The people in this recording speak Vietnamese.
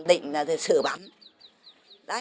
định là rồi xử bấm đấy